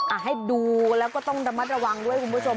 ให้ดูแล้วก็ต้องระมัดระวังด้วยคุณผู้ชม